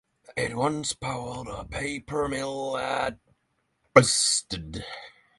It once powered a paper mill at Basted.